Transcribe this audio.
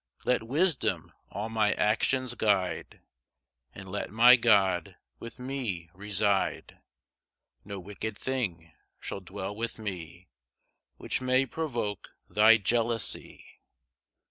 3 Let wisdom all my actions guide, And let my God with me reside; No wicked thing shall dwell with me, Which may provoke thy jealousy.